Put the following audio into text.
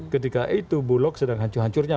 ketika itu bulog sedang hancur hancurnya